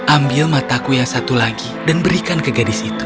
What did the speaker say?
ambil mataku yang satu lagi dan berikan ke gadis itu